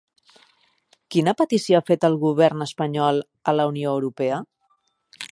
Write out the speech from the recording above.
Quina petició ha fet el govern espanyol a la Unió Europea?